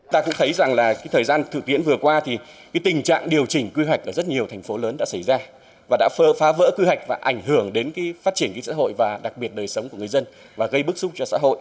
ta cũng thấy rằng là thời gian thực tiễn vừa qua thì tình trạng điều chỉnh quy hoạch ở rất nhiều thành phố lớn đã xảy ra và đã phơ phá vỡ quy hoạch và ảnh hưởng đến phát triển kinh tế xã hội và đặc biệt đời sống của người dân và gây bức xúc cho xã hội